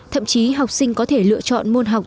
thậm chí học sinh có thể lựa chọn môn học